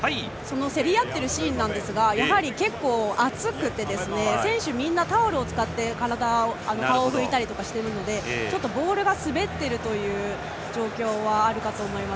競り合っているシーンですがやはり結構暑くて選手がみんなタオルを使って顔を拭いたりしているのでボールが滑っているという状況はあるかと思います。